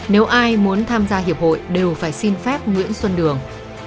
nếu ai muốn tham gia hiệp hội đều phải xin phép nguyễn xuân đường